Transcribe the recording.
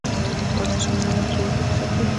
ورزش انسان له نشه يي توکو ساتي.